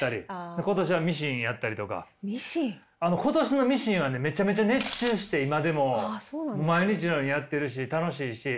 今年のミシンはねめちゃめちゃ熱中して今でも毎日のようにやってるし楽しいし。